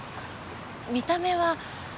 見た目は。